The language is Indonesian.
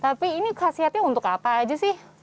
tapi ini khasiatnya untuk apa aja sih